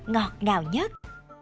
ngọt ngào nhất